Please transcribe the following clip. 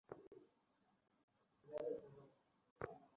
মৃত ব্যক্তির স্বজন অথবা পরিচিত ব্যক্তিরা প্রথমে ছবি দেখে চেনার চেষ্টা করেন।